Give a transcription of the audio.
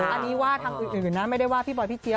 อันนี้ว่าทางอื่นนะไม่ได้ว่าพี่บอยพี่เจี๊ย